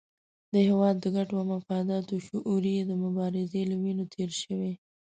د هېواد د ګټو او مفاداتو شعور یې د مبارزې له وینو تېر شوی.